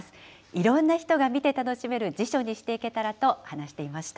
いろんな人が見て楽しめる辞書にしていけたらと話していました。